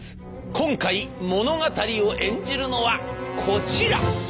今回物語を演じるのはこちら。